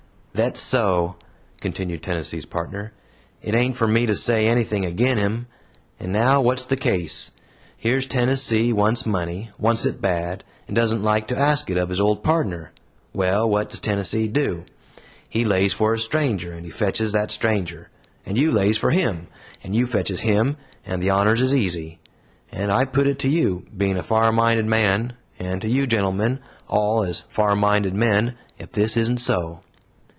"Thet's so," continued Tennessee's Partner. "It ain't for me to say anything agin' him. And now, what's the case? Here's Tennessee wants money, wants it bad, and doesn't like to ask it of his old pardner. Well, what does Tennessee do? He lays for a stranger, and he fetches that stranger. And you lays for HIM, and you fetches HIM; and the honors is easy. And I put it to you, bein' a far minded man, and to you, gentlemen, all, as far minded men, ef this isn't so."